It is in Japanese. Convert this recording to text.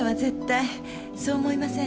そう思いません？